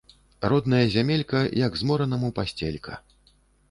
Родная зямелька – як зморанаму пасцелька